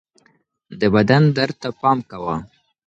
د بدن درد ته پام کوه